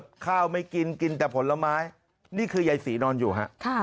แก่เฮ่ยกินขาวไม่กินกินแต่ผลไม้นี่คือยายศรีนอนอยู่ฮะ